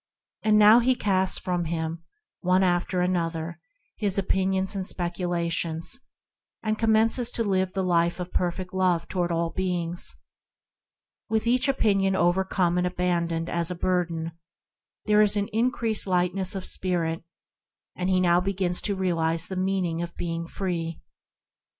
He casts from him his opinions and speculations one after another, and begins to live the life of perfect love toward all. With each opinion overcome and abandoned as a burden, there is an in creased lightness of spirit, and he begins to realise the meaning of being free.